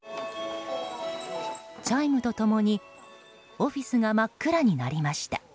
チャイムと共にオフィスが真っ暗になりました。